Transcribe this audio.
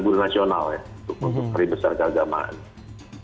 untuk hari besar keagamaan